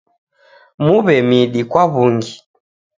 Muw'e midi kwa w'ungi.